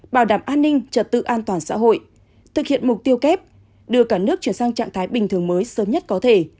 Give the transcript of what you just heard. bảo đảm an ninh trật tự an toàn xã hội thực hiện mục tiêu kép đưa cả nước chuyển sang trạng thái bình thường mới sớm nhất có thể